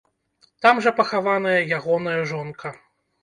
Там жа пахаваная ягоная жонка.